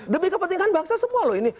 demi kepentingan bangsa semua loh ini